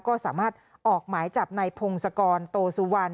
ก็สามารถออกหมายจับในพงศกรโตสุวรรณ